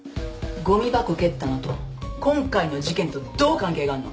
ごみ箱蹴ったのと今回の事件とどう関係があんの？